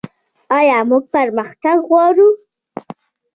آیا موږ پرمختګ غواړو؟